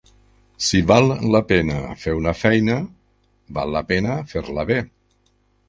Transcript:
Si val la pena fer una feina, val la pena fer-la bé.